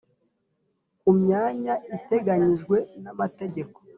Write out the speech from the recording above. ku myanya iteganyijweho n amategeko